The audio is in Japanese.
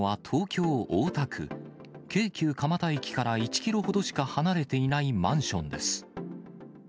京急蒲田駅から１キロほどしか離れていないマンションです。